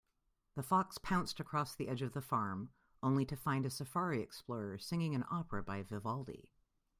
The fox pounced across the edge of the farm, only to find a safari explorer singing an opera by Vivaldi.